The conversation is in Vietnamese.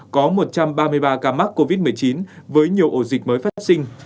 có một trăm ba mươi ba ca mắc covid một mươi chín với nhiều ổ dịch mới phát sinh